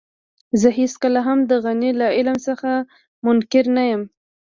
زه هېڅکله هم د غني له علم څخه منکر نه يم.